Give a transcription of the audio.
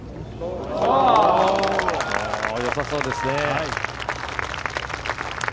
良さそうですね。